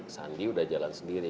sandi sudah jalan sendiri